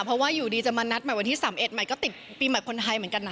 เพราะว่าอยู่ดีจะมานัดใหม่วันที่๓๑ใหม่ก็ติดปีใหม่คนไทยเหมือนกันนะ